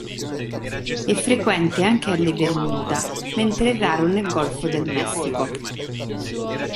È frequente anche alle Bermuda mentre è raro nel golfo del Messico.